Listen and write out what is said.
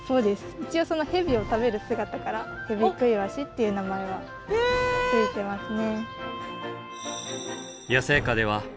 一応そのヘビを食べる姿からヘビクイワシっていう名前は付いてますね。